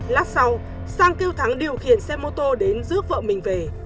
lát sau sang kêu thắng điều khiển xe mô tô đến rước vợ mình về